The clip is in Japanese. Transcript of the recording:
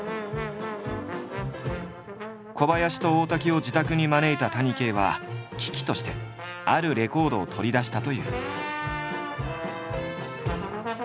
小林と大滝を自宅に招いた谷啓は喜々としてあるレコードを取り出したという。